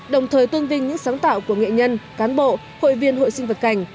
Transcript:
đồng thời tôn vinh những sáng tạo của nghệ nhân cán bộ hội viên hội sinh vật cảnh